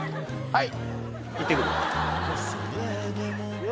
はい！